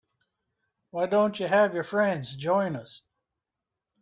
Why don't you have your friends join us?